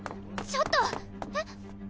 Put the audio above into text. ちょっとえっ？